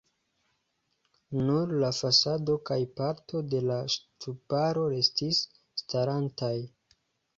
Nur la fasado kaj parto de la ŝtuparo restis starantaj.